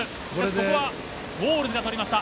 ここはウォールズが取りました。